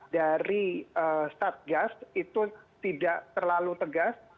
dari satgas itu tidak terlalu tegas